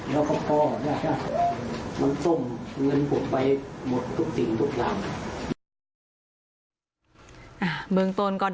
แล้วก็พ่อ